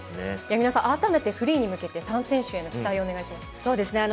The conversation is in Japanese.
皆さんあらためてフリーに向けて３選手に期待お願いします